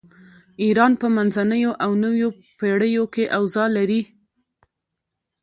ایران په منځنیو او نویو پیړیو کې اوضاع لري.